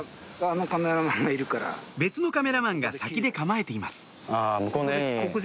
別のカメラマンが先で構えています